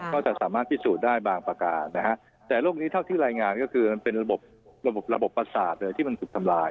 ก็จะสามารถพิสูจน์ได้บางประการนะฮะแต่โรคนี้เท่าที่รายงานก็คือมันเป็นระบบระบบประสาทเลยที่มันถูกทำลาย